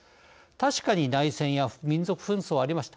確かに内戦や民族紛争はありました。